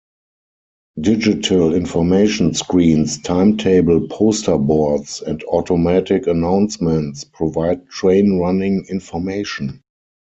Digital information screens, timetable poster boards and automatic announcements provide train running information.